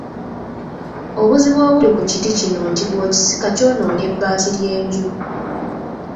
Obuzibu obuli ku kiti kino nti bw'okisika kyonoona ebbaati ly'enju.